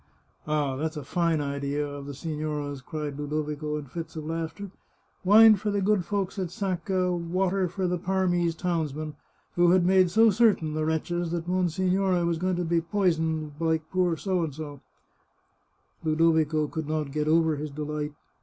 " Ah, that's a fine idea of the signora's," cried Ludovico in fits of laughter, " wine for the good folks at Sacca, water for the Parmese townsmen, who had made so certain, the wretches, that monsignore was going to be poisoned like poor L— —." Ludovico could not get over his delight.